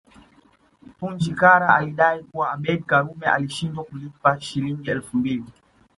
Punja Kara alidai kuwa Abeid Karume alishindwa kulipa Shilingi elfu mbili